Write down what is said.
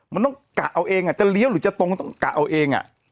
มันต้องกะเอาเองจะเลี้ยวหรือจะตรงกะเอาเอง